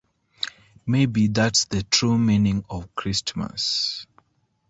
Maybe that's the true meaning of Christmas!